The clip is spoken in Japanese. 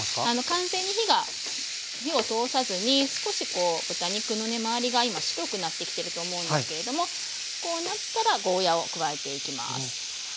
完全に火を通さずに少しこう豚肉のね周りが今白くなってきてると思うんですけれどもこうなったらゴーヤーを加えていきます。